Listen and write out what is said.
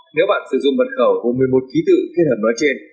nếu bạn sử dụng mật khẩu hồ một mươi một ký tự kết hợp nó trên